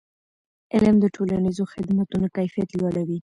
علم د ټولنیزو خدمتونو کیفیت لوړوي.